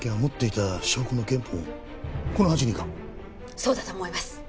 そうだと思います。